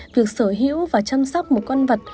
việc sở hữu và chăm sóc một con vật